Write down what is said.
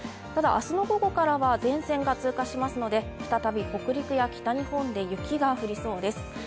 ただ、明日の午後からは前線が通過しますので、再び北陸や北日本で雪が降りそうです。